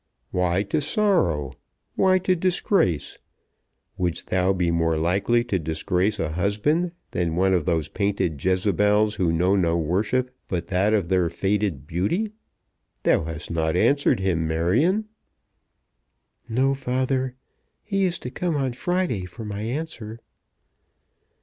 "Why to sorrow? Why to disgrace? Wouldst thou be more likely to disgrace a husband than one of those painted Jezebels who know no worship but that of their faded beauty? Thou hast not answered him, Marion?" "No, father. He is to come on Friday for my answer."